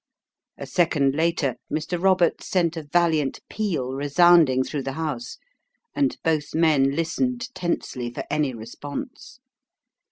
A second later Mr. Roberts sent a valiant peal re sounding through the house and both men listened tensely for any response.